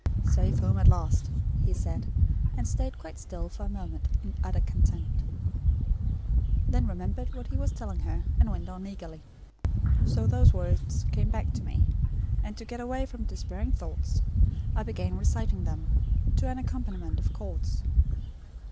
"Safe home at last," he said, and stayed quite still for a moment, in utter content. Then remembered what he was telling her, and went on eagerly. "So those words came back to me; and to get away from despairing thoughts, I began reciting them, to an accompaniment of chords."